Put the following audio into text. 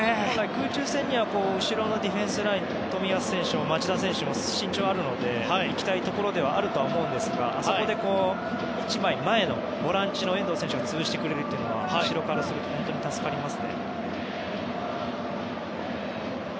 空中戦には後ろのディフェンスラインの冨安選手も町田選手も身長があるので行きたいところではあるんですがあそこで１枚前のボランチの遠藤選手が潰してくれるというのは後ろからしたら本当に助かります。